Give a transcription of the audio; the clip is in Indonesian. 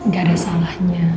gak ada salahnya